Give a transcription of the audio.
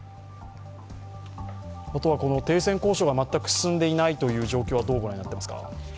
停戦交渉が全く進んでいない状況はどうご覧になってますか？